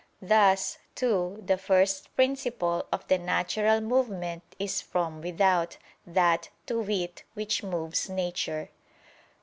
Thus, too, the first principle of the natural movement is from without, that, to wit, which moves nature.